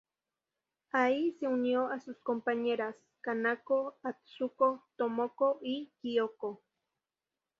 Ahí se unió a sus compañeras "Kanako", "Atsuko", "Tomoko" y "Kyoko".